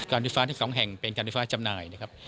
การวิฟาที่สองแห่งเป็นการวิฟาจำหน่ายนะครับ